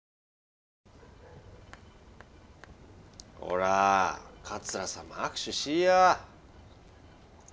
ほら桂さんも握手しいや。